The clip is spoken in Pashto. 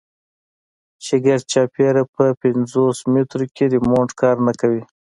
چې ګردچاپېره په پينځوس مټرو کښې ريموټ کار نه کوي.